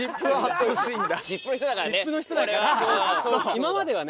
今まではね